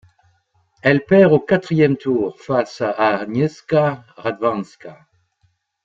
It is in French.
Elle perd au quatrième tour face à Agnieszka Radwańska.